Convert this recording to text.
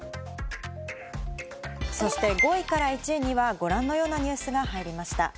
そして５位から１位には、ご覧のようなニュースが入りました。